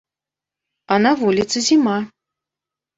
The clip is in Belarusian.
А на вуліцы зіма.